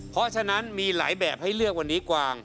เพราะฉะนั้นมีหลายแบบให้เลือกวันนี้กวาง